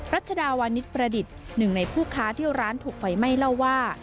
รัชดาวานิดประดิษฐ์หนึ่งในผู้ค้าที่ร้านถูกไฟไหม้เล่าว่า